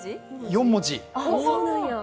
４文字。